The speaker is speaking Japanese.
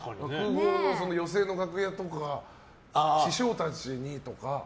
寄席の楽屋とか師匠たちにとか。